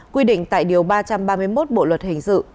quy định tại điều ba trăm ba mươi một bộ luật hình sự